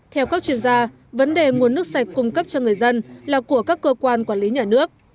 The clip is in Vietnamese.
theo các chuyên gia vấn đề nguồn nước sạch cung cấp cho người dân là của các cơ quan quản lý nhà nước